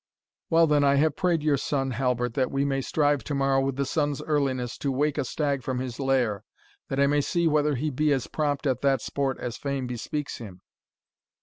"Well, then, I have prayed your son, Halbert, that we may strive tomorrow, with the sun's earliness, to wake a stag from his lair, that I may see whether he be as prompt at that sport as fame bespeaks him."